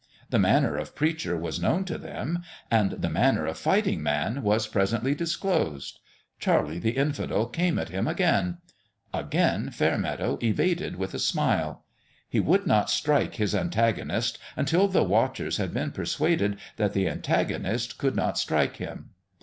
The manner of preacher was known to them ; and the manner of fighting man was presently dis closed. Charlie the Infidel came at him again. Again Fairmeadow evaded with a smile. He would not strike his antagonist until the watchers had been persuaded that the antagonist could not strike him.